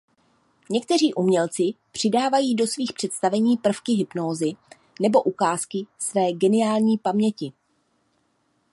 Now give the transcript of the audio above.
Někteří umělci přidávají do svých představení prvky hypnózy nebo ukázky své geniální paměti.